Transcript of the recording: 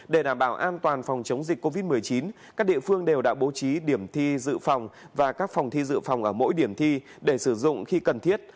để đảm bảo an toàn phòng chống dịch covid một mươi chín các địa phương đều đã bố trí điểm thi dự phòng và các phòng thi dự phòng ở mỗi điểm thi để sử dụng khi cần thiết